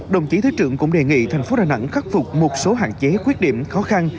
đồng chí thứ trưởng cũng đề nghị thành phố đà nẵng khắc phục một số hạn chế khuyết điểm khó khăn